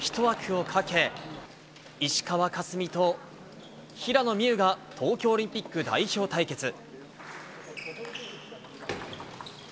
１枠をかけ、石川佳純と平野美宇が、東京オリンピック代表対決。